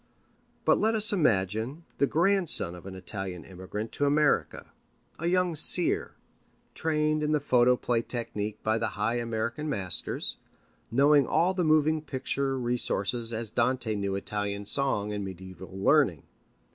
But let us imagine the grandson of an Italian immigrant to America, a young seer, trained in the photoplay technique by the high American masters, knowing all the moving picture resources as Dante knew Italian song and mediæval learning.